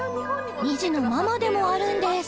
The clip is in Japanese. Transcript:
２児のママでもあるんです